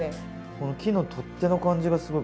この木の取っ手の感じがすごい